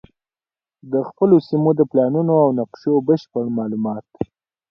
د خپلو سیمو د پلانونو او نقشو بشپړ معلومات